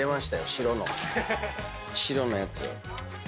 白の白のやつ。